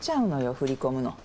振り込むの。